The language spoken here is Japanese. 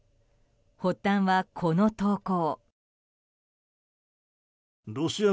発端はこの投稿。